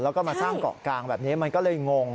แล้วก็มาสร้างเกาะกลางแบบนี้มันก็เลยงง